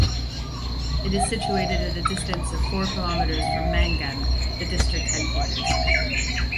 It is situated at a distance of four kilometres from Mangan, the district headquarters.